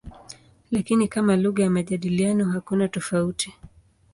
Lakini kama lugha ya majadiliano hakuna tofauti.